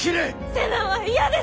瀬名は嫌です！